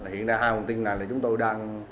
hiện ra hai nguồn tin này là chúng tôi đang